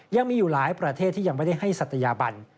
ยังมีอยู่หลายประเทศที่ยังไม่ได้ให้ศัตยาบัน